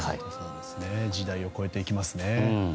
時代を超えていきますね。